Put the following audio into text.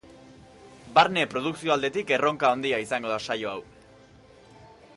Barne produkzio aldetik erronka handia izango da saio hau.